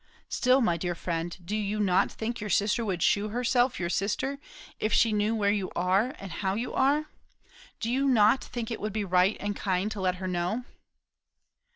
"Still, my dear friend, do you not think your sister would shew herself your sister, if she knew where you are and how you are? Do you not think it would be right and kind to let her know?"